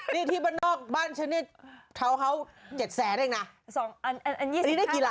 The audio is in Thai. นี่ที่บ้านนอกบ้านชั้นเนี่ยเท้าเขา๗๐๐๐๐๐บาทเท่านี้นะ